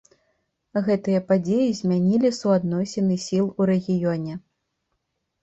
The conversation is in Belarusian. Гэтыя падзеі змянілі суадносіны сіл у рэгіёне.